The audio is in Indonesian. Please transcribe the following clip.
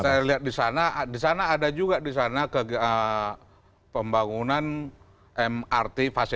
saya lihat disana disana ada juga disana ke pembangunan mrt fase dua